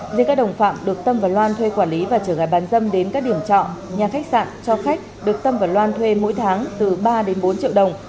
dưới các đồng phạm được tâm và loan thuê quản lý và chở gái bán dâm đến các điểm trọ nhà khách sạn cho khách được tâm và loan thuê mỗi tháng từ ba bốn triệu đồng